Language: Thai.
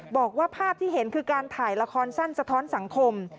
บอกว่าภาพที่เห็นคือการถ่ายละครสั้นสะท้อนสังคม